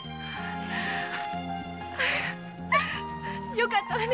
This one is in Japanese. よかったわね